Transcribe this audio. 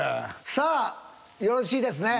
さあよろしいですね。